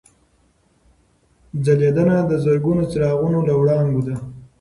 ځلېدنه د زرګونو څراغونو له وړانګو ده.